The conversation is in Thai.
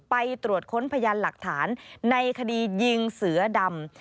ไปตรวจค้นพยานหลักฐานในคดียิงเสือดำ